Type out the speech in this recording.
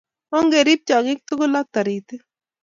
ongerib tyong'ik tugul ak toritik